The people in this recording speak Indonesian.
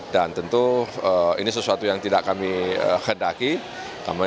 dan tentu ini sesuatu yang tidak kami kedahkan